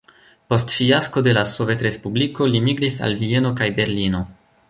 Post fiasko de la sovetrespubliko li migris al Vieno kaj Berlino.